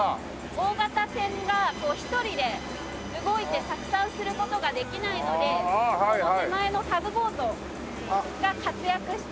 大型船が一人で動いて着桟する事ができないのでこの手前のタグボートが活躍して。